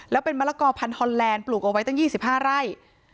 แล้วเป็นมะละกอพันธอนแลนดปลูกเอาไว้ตั้ง๒๕ไร่